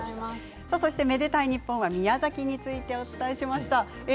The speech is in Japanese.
「愛でたいｎｉｐｐｏｎ」は宮崎についてお伝えしました。